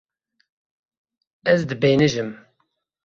Ez dibêhnijim.